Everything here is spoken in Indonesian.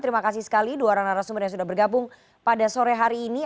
terima kasih sekali dua orang narasumber yang sudah bergabung pada sore hari ini